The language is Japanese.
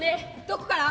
どこから？